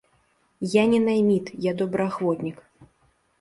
Я не найміт, я добраахвотнік.